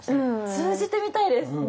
通じてみたいです！